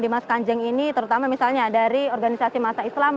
dimas kanjeng ini terutama misalnya dari organisasi masa islam